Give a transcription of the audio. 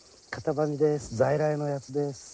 在来のやつです。